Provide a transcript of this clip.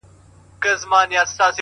د مړونو قدر کم سي چي پردي وطن ته ځینه!.